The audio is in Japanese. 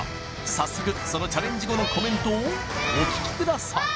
早速そのチャレンジ後のコメントをお聞きください